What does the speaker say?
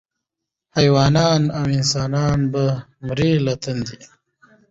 حیوانان او انسانان به مري له تندي